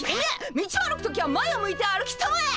道を歩く時は前を向いて歩きたまえ！